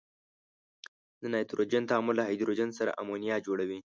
د نایتروجن تعامل له هایدروجن سره امونیا جوړوي.